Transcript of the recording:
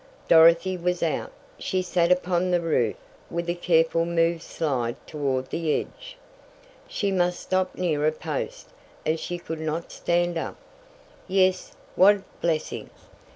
Dorothy was out. She sat upon the roof and with a careful move slid toward the edge. She must stop near a post, as she could not stand up! Yes, what blessing!